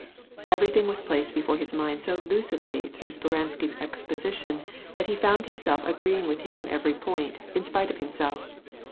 Everything was placed before his mind so lucidly tlirough Speransky's exposition, that he found himself freeing with him on every point, in spite of himself.